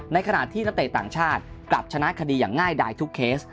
ในขณะที่นักเตะต่างชาติกลับชนะคดีอย่างง่ายดายทุกเคส